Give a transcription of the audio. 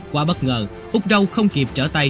quá bất ngờ úc râu không kịp trở tay